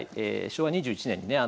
昭和２１年にね